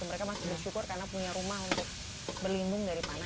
mereka masih bersyukur karena punya rumah untuk berlindung dari panas dan hujan